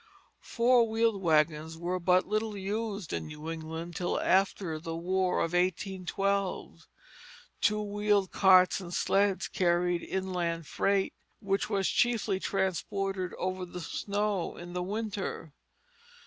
Four wheeled wagons were but little used in New England till after the War of 1812. Two wheeled carts and sleds carried inland freight, which was chiefly transported over the snow in the winter.